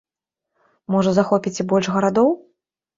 Можа, захопіце больш гарадоў?